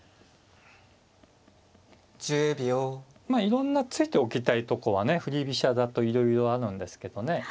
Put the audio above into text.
まあいろんな突いておきたいとこはね振り飛車だといろいろあるんですけどね。